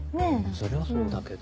それはそうだけど。